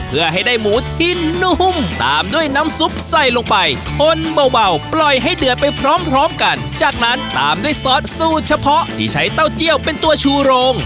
เพื่อให้ได้หมูที่นุ่มตามด้วยน้ำซุปใส่ลงไปคนเบาปล่อยให้เดือดไปพร้อมพร้อมกันจากนั้นตามด้วยซอสสูตรเฉพาะที่ใช้เต้าเจี้ยวเป็นตัวชูโรง